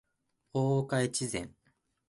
大岡越前